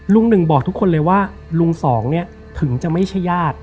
ลุง๑บอกทุกคนเลยว่าลุง๒ถึงจะไม่ใช่ญาติ